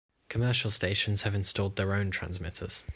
Commercial stations have installed their own transmitters.